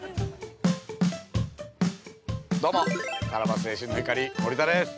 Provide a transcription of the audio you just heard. ◆ども、さらば青春の光森田です。